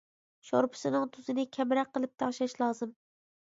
شورپىسىنىڭ تۇزىنى كەمرەك قىلىپ تەڭشەش لازىم.